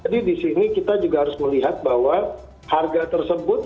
jadi disini kita juga harus melihat bahwa harga tersebut itu harus menyiapkan lima pcs per hari